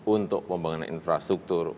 untuk pembangunan infrastruktur